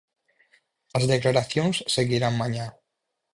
As declaracións seguirán mañá.